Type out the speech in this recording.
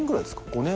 ５年？